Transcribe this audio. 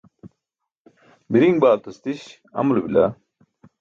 miriiṅ baaltas diś amulo bila?